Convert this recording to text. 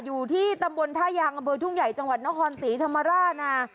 อยู่ที่ตำบลท่ายางอำเภอทุ่งใหญ่จังหวัดนครศรีธรรมราชนะ